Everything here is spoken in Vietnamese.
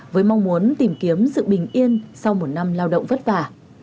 họ muốn tìm kiếm sự bình yên sau một năm lao động vất vả